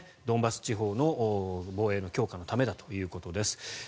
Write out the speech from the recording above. ドンバス地方の防衛の強化のためだということです。